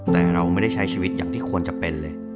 แต่เราไม่ได้ใช้ชีวิตอย่างที่ควรจะเป็นเลย